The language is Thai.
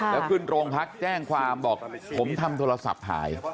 แล้วขึ้นโรงพักแจ้งความบอกผมทำโทรศัพท์หาย